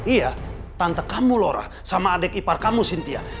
iya tante kamu lora sama adik ipar kamu cynthia